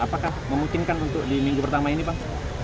apakah memungkinkan untuk di minggu pertama ini pak